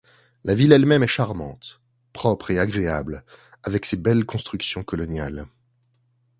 La ville elle-même est charmante, propre et agréable, avec ses belles constructions coloniales.